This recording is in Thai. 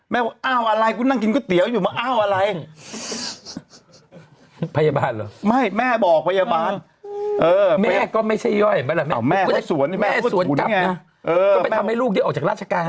แม่ก็ไม่ใช่ย่อยแม่สวนกลับนะก็ไปทำให้ลูกเดี๋ยวออกจากราชการ